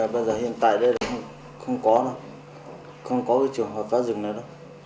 bây giờ hiện tại đây là không có đâu không có cái trường hợp phá rừng nào đâu